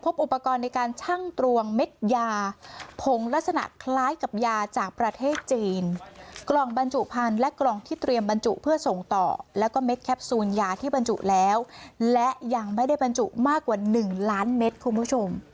บรรจุเพื่อส่งต่อแล้วก็เม็ดแคปซูนยาที่บรรจุแล้วและยังไม่ได้บรรจุมากกว่าหนึ่งล้านเม็ดคุณผู้ชม